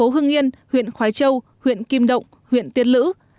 hưng yên huyện khói châu huyện kim động huyện tiên lữ